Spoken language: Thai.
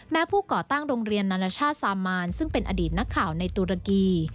ผู้ก่อตั้งโรงเรียนนานาชาติซามานซึ่งเป็นอดีตนักข่าวในตุรกี